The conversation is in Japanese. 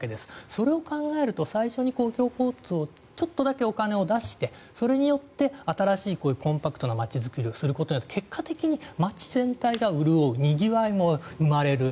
それを考えると最初に公共交通にちょっとだけお金を出してそれによって新しいコンパクトな街づくりをすることによって結果的に街全体が潤うにぎわいも生まれる。